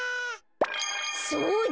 そうだ。